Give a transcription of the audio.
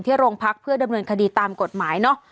โรงพักเพื่อดำเนินคดีตามกฎหมายเนอะ